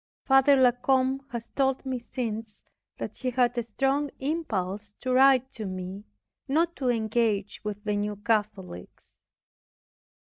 Father La Combe has told me since, that he had a strong impulse to write to me, not to engage with the New Catholics.